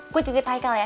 gue titip haikal ya